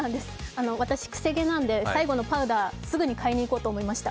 私、くせ毛なので、最後のパウダーすぐに買いに行こうと思いました。